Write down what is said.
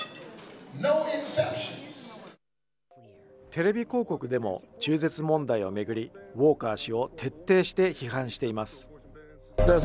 テレビ広告でも中絶問題を巡り、ウォーカー氏を徹底して批判しています。